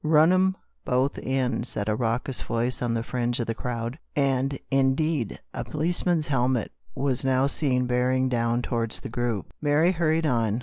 "Run 'em both in," said a raucous voice on the fringe of the crowd ; and, indeed, a policeman's helmet was now seen bearing down toward the group. Mary hurried on.